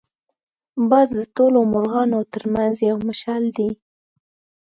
باز د ټولو مرغانو تر منځ یو مشال دی